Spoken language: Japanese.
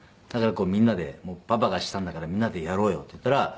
だからみんなで「パパがしたんだからみんなでやろうよ」って言ったら。